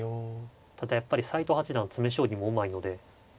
ただやっぱり斎藤八段は詰め将棋もうまいので。